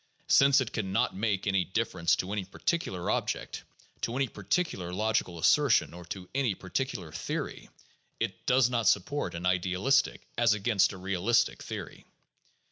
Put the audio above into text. Since it can not make any difference to any particular object, to any par ticular logical assertion, or to any particular theory, it does not sup port an idealistic as against a realistic theory.